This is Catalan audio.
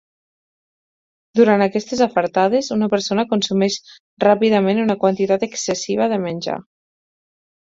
Durant aquestes afartades, una persona consumeix ràpidament una quantitat excessiva de menjar.